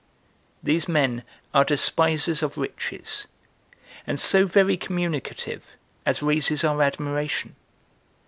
3. These men are despisers of riches, and so very communicative as raises our admiration.